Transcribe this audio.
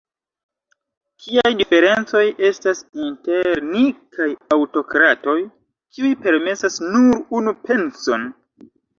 Kiaj diferencoj estas inter ni kaj aŭtokratoj, kiuj permesas nur unu penson?